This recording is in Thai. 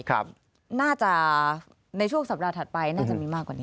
น่าจะในช่วงสัปดาห์ถัดไปน่าจะมีมากกว่านี้